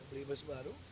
beli bus baru